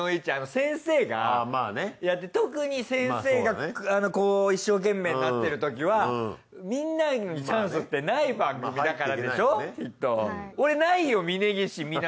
先生がやって特に先生が一生懸命になってるときはみんなにチャンスってない番組だからでしょきっと。